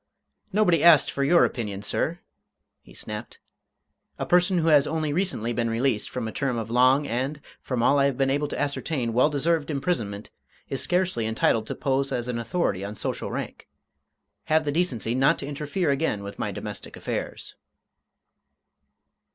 "Nobody asked for your opinion, sir!" he snapped. "A person who has only recently been released from a term of long and, from all I have been able to ascertain, well deserved imprisonment, is scarcely entitled to pose as an authority on social rank. Have the decency not to interfere again with my domestic affairs."